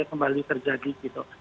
kembali terjadi gitu